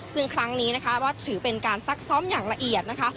ซึ่งครั้งนี้นะคะก็ถือเป็นการซักซ้อมอย่างละเอียดนะคะ